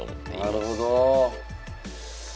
なるほど。